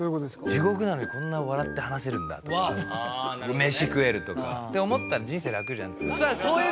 地獄なのにこんな笑って話せるんだとか飯食えるとか。って思ったら人生楽じゃんっていう。